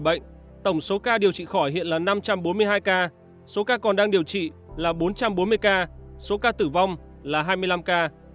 trong một bảy ca khỏi bệnh tổng số ca điều trị khỏi hiện là năm trăm bốn mươi hai ca số ca còn đang điều trị là bốn trăm bốn mươi ca số ca tử vong là hai mươi năm ca